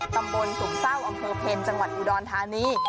ตำบลสุขเศร้าองค์เผินจังหวัดอุดรธานี